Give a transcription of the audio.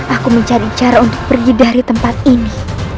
aku mencari cara untuk pergi dari tempat ini